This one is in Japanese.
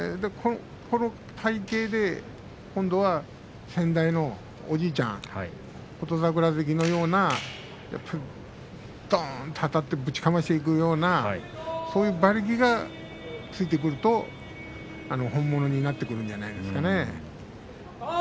この体形で今度は先代のおじいちゃん琴櫻関のようなどんとあたってぶちかましていくようなそういう馬力がついてくると本物になってくるんじゃないですかね。